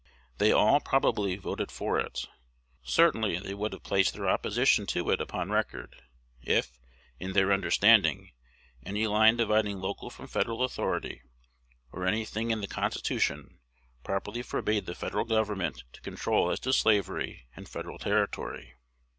They all, probably, voted for it. Certainly they would have placed their opposition to it upon record, if, in their understanding, any line dividing local from Federal authority, or any thing in the Constitution, properly forbade the Federal Government to control as to slavery in Federal territory.